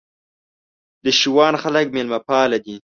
د شېوان خلک مېلمه پاله دي